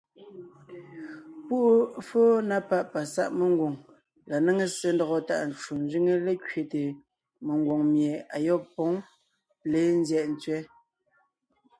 Púʼu éfóo na páʼ pasáʼ mengwòŋ la néŋe ssé ńdɔgɔ tàʼ ncwò ńzẅíŋe lékẅéte mengwòŋ mie ayɔ́b póŋ léen ńzyɛ́ʼ ntsẅɛ́.